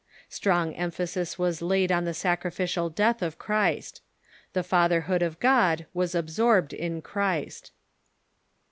Strong emphasis was laid on the sacrificial death of Christ. The Fatherhood of God was absorbed in Christ.